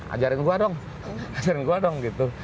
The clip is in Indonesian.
ajarin gua dong ajarin gua dong